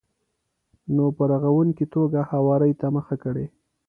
نو په رغونکې توګه هواري ته مخه کړئ.